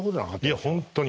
いや本当に。